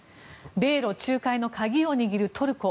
米ロ仲介の鍵を握るトルコ。